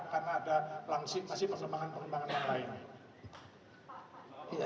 karena masih ada pengembangan pengembangan yang lain